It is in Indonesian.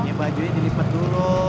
ya bajunya dilipet dulu